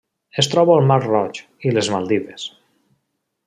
Es troba al Mar Roig i les Maldives.